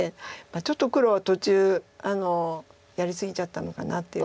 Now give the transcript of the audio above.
ちょっと黒は途中やり過ぎちゃったのかなっていうところが。